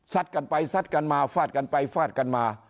กันไปซัดกันมาฟาดกันไปฟาดกันมา